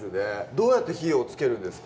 どうやって火をつけるんですか？